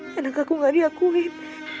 kenapa aku gak diakuin